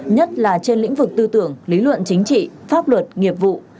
nhất là trên lĩnh vực tư tưởng lý luận chính trị pháp luật nghiệp vụ